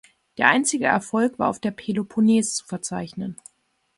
Der einzige Erfolg war auf der Peloponnes zu verzeichnen.